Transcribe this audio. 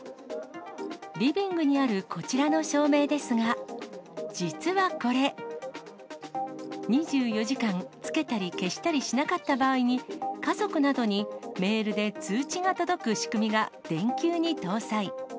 リビングにあるこちらの照明ですが、実はこれ、２４時間つけたり消したりしなかった場合に、家族などにメールで通知が届く仕組みが電球に搭載。